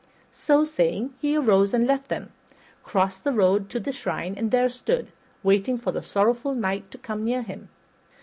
So saying, he arose and left them, crossed the road to the shrine, and there stood, waiting for the sorrowful knight to come near him.